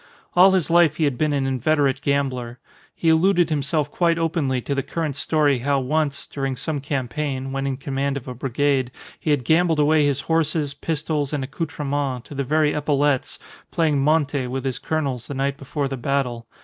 All his life he had been an inveterate gambler. He alluded himself quite openly to the current story how once, during some campaign (when in command of a brigade), he had gambled away his horses, pistols, and accoutrements, to the very epaulettes, playing monte with his colonels the night before the battle.